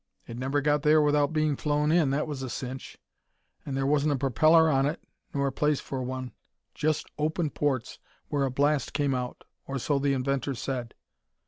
It never got there without being flown in, that was a cinch. And there wasn't a propellor on it nor a place for one just open ports where a blast came out, or so the inventor said.